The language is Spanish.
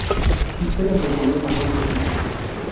Cipselas de color marrón rojizo.